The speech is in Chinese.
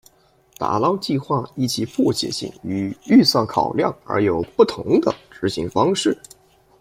打捞计画依其迫切性与预算考量而有不同的执行方式。